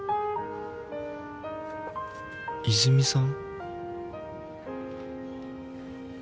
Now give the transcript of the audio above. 泉さん？